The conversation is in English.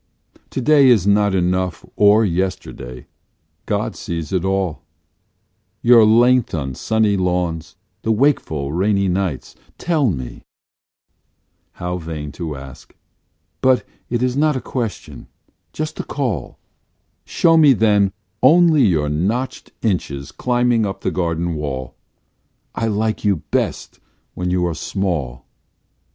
To day is not enough or yesterday: God sees it all Your length on sunny lawns, the wakeful rainy nights ; tell me ; (how vain to ask), but it is not a question just a call ; Show me then, only your notched inches climbing up the garden wall, I like you best when you are small.